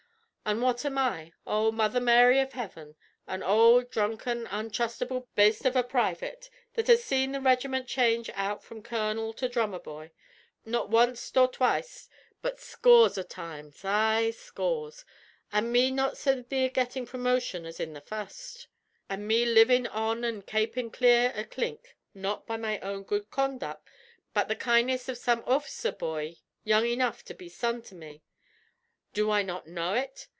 An' what am I? Oh, Mary Mother av Hiven! an ould dhrunken, untrustable baste av a privit that has seen the regiment change out from colonel to drummer boy, not wanst or twict, but scores av times. Ay, scores! An' me not so near gettin' promotion as in the furst. An' me livin' on an' kapin' clear o' clink not by my own good conduck, but the kindness av some orf'cer bhoy young enough to be son to me! Do I not know ut?